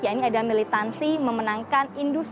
ya ini adalah militansi memenangkan industri di indonesia